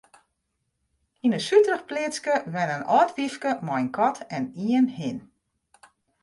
Yn in suterich pleatske wenne in âld wyfke mei in kat en ien hin.